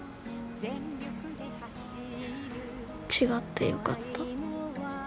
違ってよかった。